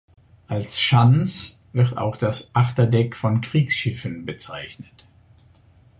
Als Schanz wird auch das "Achterdeck" von Kriegsschiffen bezeichnet.